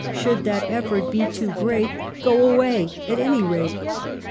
Should that effort be too great, Go away — at any rate.